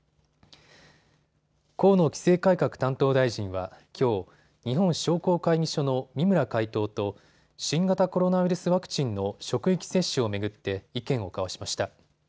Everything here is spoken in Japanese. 河野規制改革担当大臣は、きょう日本商工会議所の三村会頭と新型コロナウイルスワクチンの職域接種を巡って意見を交わしました。